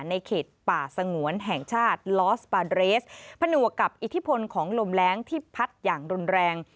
ในเขตป่าสงวนแห่งชาติลอสปาเดสผนวกกับอิทธิพลของลมแรงที่พัดอย่างรุนแรง